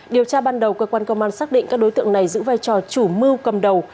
điều tra ban đầu cơ quan công an xác định các đối tượng này giữ vai trò chủ mưu cầm đầu